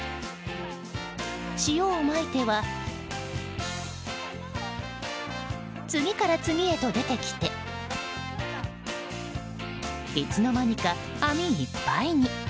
塩をまいては次から次へと出てきていつの間にか網いっぱいに。